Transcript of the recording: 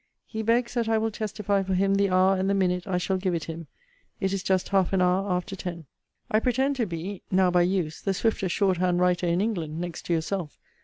He begs that I will testify for him the hour and the minute I shall give it him. It is just half an hour after ten. I pretend to be (now by use) the swiftest short hand writer in England, next to yourself.